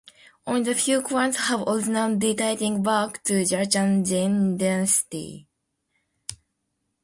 Only the few clans have origins dating back to Jurchen Jin dynasty.